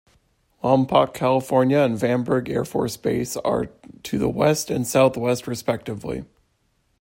Lompoc, California and Vandenberg Air Force Base are to the west and southwest, respectively.